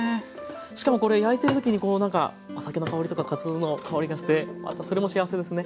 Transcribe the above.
しかもこれ焼いてる時にこうなんかお酒の香りとかかつおの香りがしてまたそれも幸せですね。